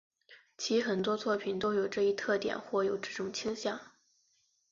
其很多作品都有这一特点或有这种倾向。